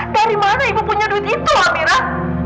dari mana ibu punya duit itu ameran